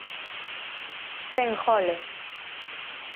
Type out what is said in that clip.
Sen goles.